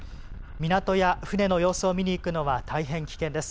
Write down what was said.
港や船の様子を見に行くのは大変危険です。